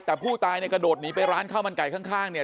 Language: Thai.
แต่ผู้ตายเนี่ยกระโดดหนีไปร้านข้าวมันไก่ข้างเนี่ย